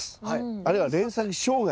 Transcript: あるいは連作障害。